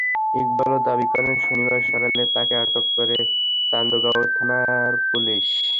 ইকবালও দাবি করেন, শনিবার সকালে তাঁকে আটক করে চান্দগাঁও থানার পুলিশ।